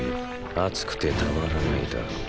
熱くてたまらないだろう。